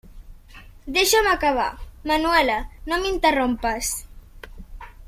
Deixa'm acabar, Manuela; no m'interrompes.